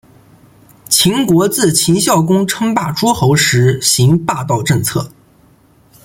秦国自秦孝公称霸诸候时行霸道政策。